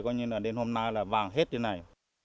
coi như là đến hôm nay là vàng hết như này